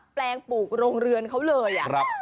แปลงปลูกโรงเรือนเขาเลย